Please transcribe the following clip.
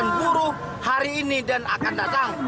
pengelolaan buruh hari ini dan akan datang